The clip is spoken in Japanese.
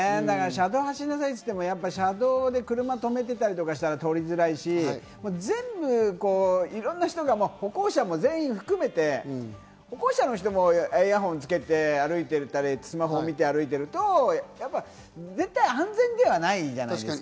車道を走りなさいって言っても、車止めてたりしたら通りづらいし、全部、いろんな人が歩行者も全員含めて歩行者もイヤホンつけて歩いてたり、スマホ見て歩いていると安全ではないじゃないですか。